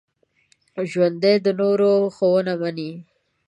ژوندي د نورو ښوونه مني